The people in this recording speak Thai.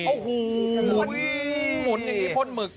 หมุนอย่างงี้พ่นหมึก